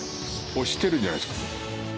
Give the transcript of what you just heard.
押してるんじゃないですか。